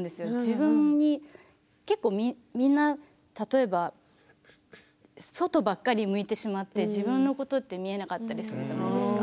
自分に、みんな、例えば外ばかり向いてしまって自分のことって見えなかったりするじゃないですか。